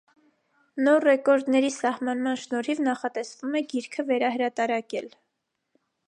Նոր ռեկորդների սահմանման շնորհիվ նախատեսվում է գիրքը վերահրատարակել։